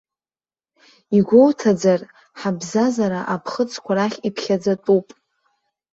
Игәоуҭаӡар, ҳабзазара аԥхыӡқәа рахь иԥхьаӡатәыуп.